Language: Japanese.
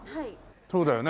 そうだよね。